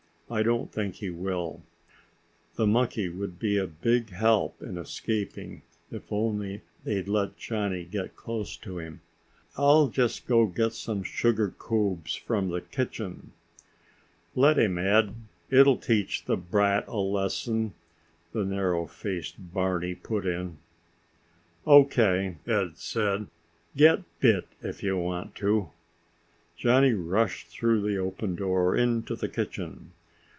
"I don't think he will." The monkey would be a big help in escaping, if only they'd let Johnny get close to him. "I'll just go get some sugar cubes from the kitchen." "Let him, Ed. It'll teach the brat a lesson," the narrow faced Barney put in. "O.K." Ed said. "Get bit, if you want to." Johnny rushed through the open door into the kitchen.